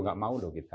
nggak mau loh kita